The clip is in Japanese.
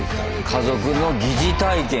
家族の疑似体験。